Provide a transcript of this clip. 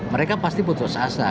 mereka pasti putus asa